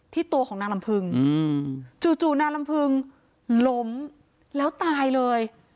ตัวของนางลำพึงจู่นางลำพึงล้มแล้วตายเลย